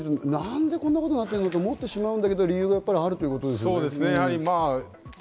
松田さん、何でこんなことになってるのかと思ってしまうんですけれども、理由があるということですね。